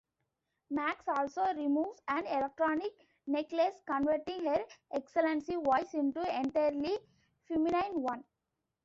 Max also removes an electronic necklace converting Her Excellency voice into entirely feminine one.